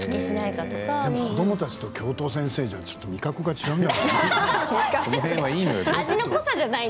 子どもたちと教頭先生じゃ、ちょっと味覚が違うんじゃないの？